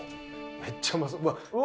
めっちゃうまそう。